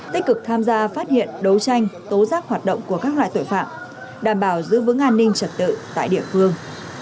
tích cực tham gia phát hiện đấu tranh tố giác hoạt động của các loại tội phạm đảm bảo giữ vững an ninh trật tự tại địa phương